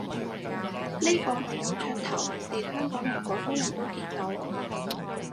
呢個咪有噱頭，連香港人廣東人都見到